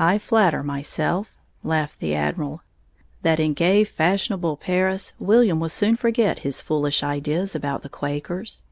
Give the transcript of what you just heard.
"I flatter myself," laughed the Admiral, "that in gay, fashionable Paris, William will soon forget his foolish ideas about the Quakers."